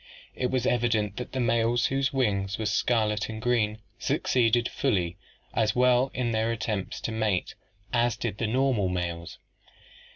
It was evident that the males whose wings were scarlet and green succeeded fully as well in their attempts to mate as did the normal males."